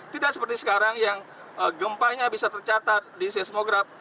tidak seperti sekarang yang gempanya bisa tercatat di seismograf